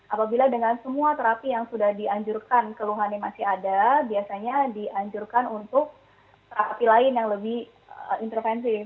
apabila dengan semua terapi yang sudah dianjurkan keluhan yang masih ada biasanya dianjurkan untuk terapi lain yang lebih intervensi